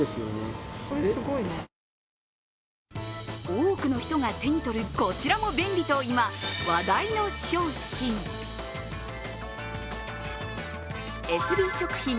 多くの人が手に取る、こちらも便利と今、話題の商品。